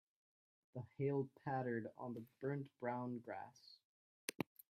The hail pattered on the burnt brown grass.